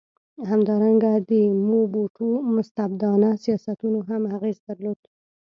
همدارنګه د موبوټو مستبدانه سیاستونو هم اغېز درلود.